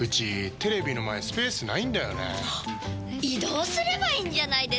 移動すればいいんじゃないですか？